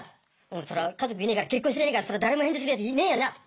そら家族いねぇから結婚してねぇからそら誰も返事するやついねぇよな！